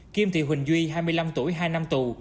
kim thị huỳnh duy hai mươi năm tuổi hai năm tù